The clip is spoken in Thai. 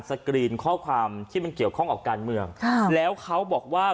กรีนข้อความที่มันเกี่ยวข้องกับการเมืองค่ะแล้วเขาบอกว่า